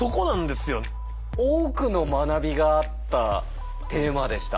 多くの学びがあったテーマでした。